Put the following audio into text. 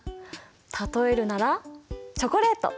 例えるならチョコレート。